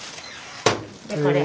でこれ。